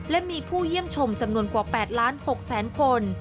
และมีผู้เยี่ยมชมจำนวนกว่า๘๖๐๐๐คน